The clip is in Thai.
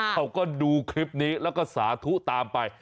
เขาก็ดูคลิปนี้แล้วก็สาธุตามไป